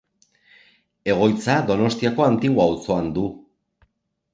Egoitza Donostiako Antigua auzoan du.